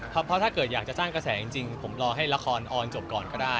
เพราะถ้าเกิดอยากจะสร้างกระแสจริงผมรอให้ละครออนจบก่อนก็ได้